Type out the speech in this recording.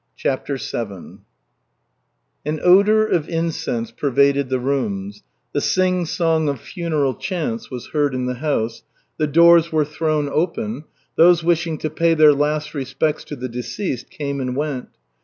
CHAPTER VII An odor of incense pervaded the rooms, the sing song of funeral chants was heard in the house, the doors were thrown open, those wishing to pay their last respects to the deceased came and went.